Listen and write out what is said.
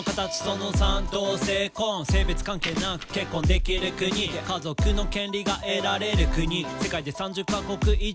「性別関係なく結婚できる国」「家族の権利が得られる国」「世界で３０カ国以上」